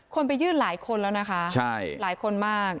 ไปยื่นหลายคนแล้วนะคะหลายคนมาก